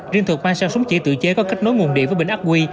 riêng thuộc mang sang súng chỉ tự chế có kết nối nguồn điện với bệnh ác huy